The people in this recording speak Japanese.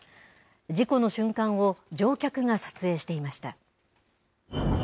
事故の瞬間を、乗客が撮影していました。